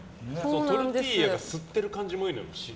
トルティーヤが汁を吸ってる感じもいい。